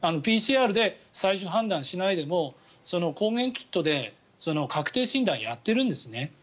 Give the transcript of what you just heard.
ＰＣＲで最終判断しないで抗原キットで確定診断をやってるんです。